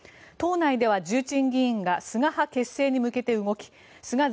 党内では重鎮議員が菅派結成に向けて動き菅